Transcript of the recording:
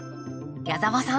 矢澤さん